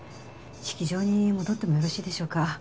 式場に戻ってもよろしいでしょうか？